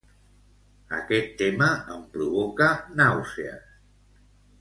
Aquest tema em provoca nàusees.